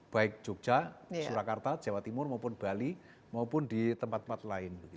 baik jogja surakarta jawa timur maupun bali maupun di tempat tempat lain